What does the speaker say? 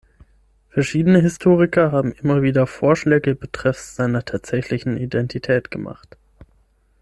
Verschiedenen Historiker haben immer wieder Vorschläge betreffs seiner tatsächlichen Identität gemacht.